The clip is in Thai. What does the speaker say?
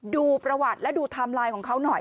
ดูประวัติและดูไทม์ไลน์ของเขาหน่อย